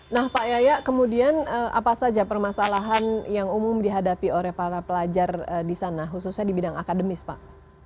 nah pak yaya kemudian apa saja permasalahan yang umum dihadapi oleh para pelajar di sana khususnya di bidang akademis pak